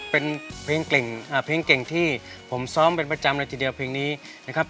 เป็นเพลงเก่งที่ผมซ้อมเป็นประจำในทีเดียวเพลงนี้นะครับ